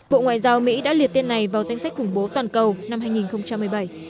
bộ ngoại giao mỹ đã liệt tên này vào danh sách khủng bố toàn cầu năm hai nghìn một mươi bảy